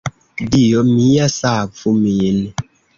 Dio mia, savu min!